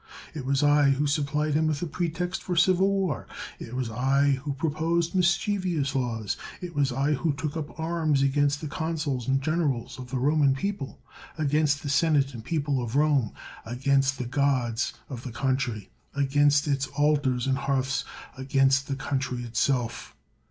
It was I who supplied him with a pretext for civil war ; it was I who proposed mischievous laws ; it was I who took up arms against the consuls and jrenerals of the Roman people, against the senate and people of Rome, against the gods of the coun try, against its altars and hearths, against the country itself.